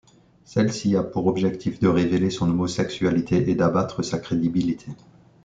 Celle-ci a pour objectif de révéler son homosexualité et d'abattre sa crédibilité.